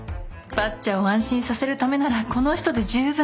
ばっちゃを安心させるためならこの人で十分。